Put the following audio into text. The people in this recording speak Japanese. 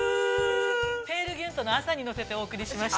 ペールギュントの朝にのせて、お届けしました。